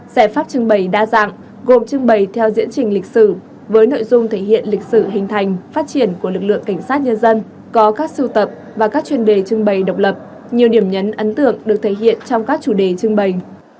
giải pháp trưng bày đa dạng gồm trưng bày theo diễn trình lịch sử với nội dung thể hiện lịch sử hình thành phát triển của lực lượng cảnh sát nhân dân có các sưu tập và các chuyên đề trưng bày độc lập nhiều điểm nhấn ấn tượng được thể hiện trong các chủ đề trưng bày